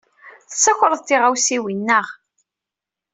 Tettakreḍ tiɣawsiwin, naɣ?